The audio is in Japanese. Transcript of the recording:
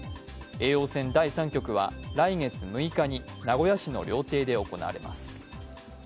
叡王戦第３局は来月６日に名古屋市の料亭で行われます。